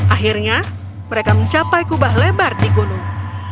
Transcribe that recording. akhirnya mereka mencapai kubah lebar di gunung